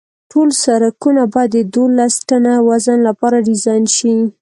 ټول سرکونه باید د دولس ټنه وزن لپاره ډیزاین شي